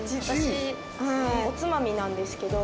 おつまみなんですけど。